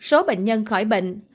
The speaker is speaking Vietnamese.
số bệnh nhân khỏi bệnh